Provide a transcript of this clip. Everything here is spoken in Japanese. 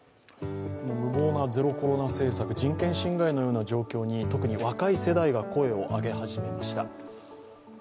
無謀なゼロコロナ政策、人権侵害のような状況に特に若い世代が声を上げ始めました。